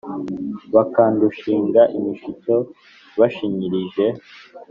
Bakadushinga imishito bashinyirije